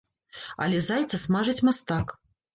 Але зайца смажыць мастак!